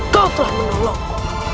kau telah menolongku